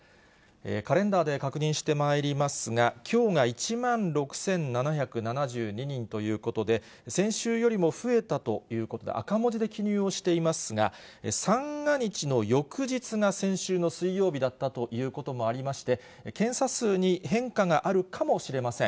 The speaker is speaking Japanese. カレンダーで確認してまいりますが、きょうが１万６７７２人ということで、先週よりも増えたということで、赤文字で記入をしていますが、三が日の翌日が先週の水曜日だったということもありまして、検査数に変化があるかもしれません。